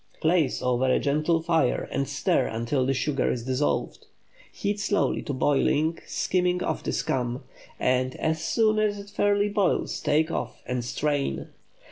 Place over a gentle fire and stir until the sugar is dissolved. Heat slowly to boiling, skimming off the scum, and as soon as it fairly boils take off and strain.